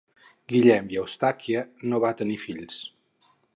Guillem i Eustàquia no va tenir fills.